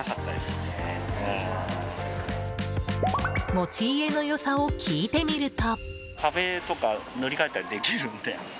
持ち家の良さを聞いてみると。